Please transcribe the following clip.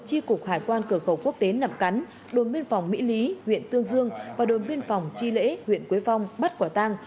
tri cục hải quan cửa khẩu quốc tế nậm cắn đồn biên phòng mỹ lý huyện tương dương và đồn biên phòng tri lễ huyện quế phong bắt quả tang